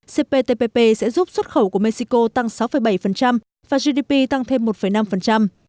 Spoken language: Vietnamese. cptpp sẽ giúp xuất khẩu của mexico tăng sáu bảy và gdp tăng thêm một năm